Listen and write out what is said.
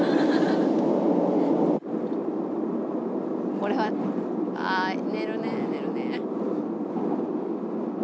「これはああ寝るね寝るね」